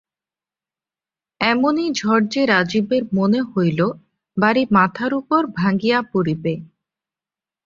এমনি ঝড় যে রাজীবের মনে হইল, বাড়ি মাথার উপর ভাঙিয়া পড়িবে।